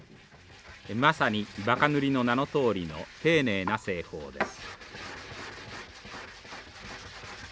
まさに馬鹿塗の名のとおりの丁寧な製法です。